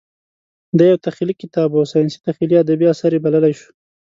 دا یو تخیلي کتاب و او ساینسي تخیلي ادبي اثر یې بللی شو.